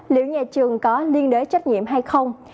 liệu nhà trường có liên đối trách nhiệm hay không